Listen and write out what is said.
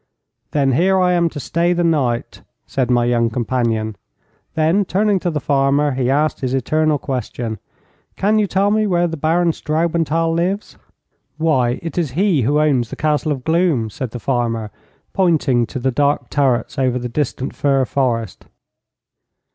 'Then here I am to stay the night,' said my young companion. Then, turning to the farmer, he asked his eternal question, 'Can you tell me where the Baron Straubenthal lives?' 'Why, it is he who owns the Castle of Gloom,' said the farmer, pointing to the dark turrets over the distant fir forest.